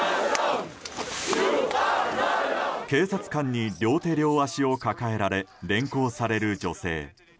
警察官に両手両足を抱えられ連行される女性。